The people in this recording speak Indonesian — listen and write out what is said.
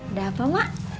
udah apa mak